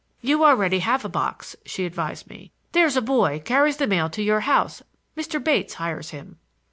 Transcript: "You already have a box," she advised me. "There's a boy carries the mail to your house; Mr. Bates hires him."